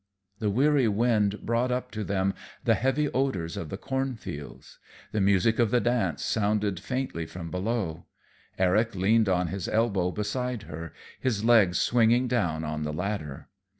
The weary wind brought up to them the heavy odors of the cornfields. The music of the dance sounded faintly from below. Eric leaned on his elbow beside her, his legs swinging down on the ladder.